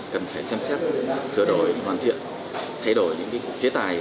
cần phải xem xét sửa đổi hoàn thiện thay đổi những chế tài